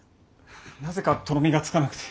なぜかとろみがつかなくて。